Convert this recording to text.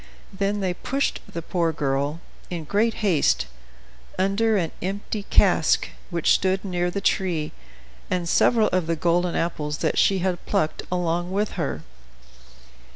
Then they pushed the poor girl, in great haste, under an empty cask, which stood near the tree, and several of the golden apples that she had plucked along with her.